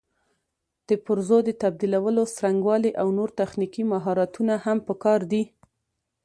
د پرزو د تبدیلولو څرنګوالي او نور تخنیکي مهارتونه هم پکار دي.